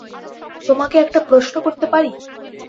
তোমাকে একটা প্রশ্ন করতে পারি?